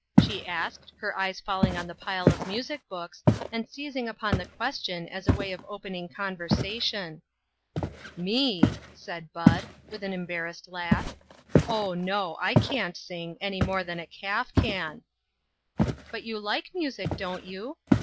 she asked, her eyes falling on the pile of music books, and seizing upon the question as a way of open ing conversation. " Me !" said Bud, with an embarrassed laugh. " Oh, no, I can't sing, any more than a calf can." " But you like music, don't you